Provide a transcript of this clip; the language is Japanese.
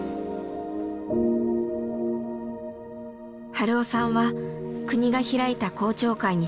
春雄さんは国が開いた公聴会に参加。